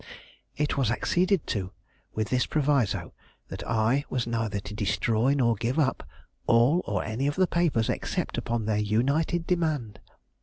It was acceded to with this proviso, that I was neither to destroy nor give up all or any of the papers except upon their united demand.